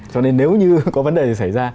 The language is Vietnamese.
cho nên nếu như có vấn đề xảy ra